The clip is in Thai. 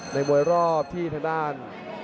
ในมวยรอบที่ทางด้าน